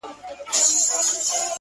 • چي بل چاته څوک کوهی کیني ورلویږي ,